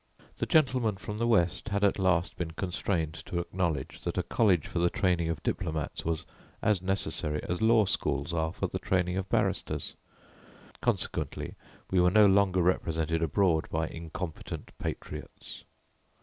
The gentlemen from the West had at last been constrained to acknowledge that a college for the training of diplomats was as necessary as law schools are for the training of barristers; consequently we were no longer represented abroad by incompetent patriots.